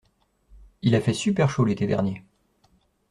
Il a fait super chaud l'été dernier.